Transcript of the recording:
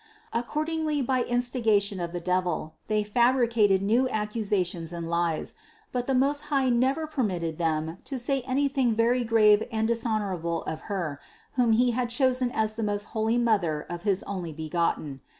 Accordingly by insti gation of the devil, they fabricated new accusations and lies ; but the Most High never permitted them to say any thing very grave and dishonorable of Her, whom He had chosen as the most holy Mother of his Onlybegotten.